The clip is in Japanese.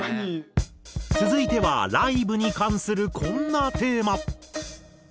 続いてはライブに関するこんなテーマ。